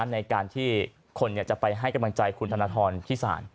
ในการที่คนจะไปให้กำลังใจคุณธนทรที่ศาล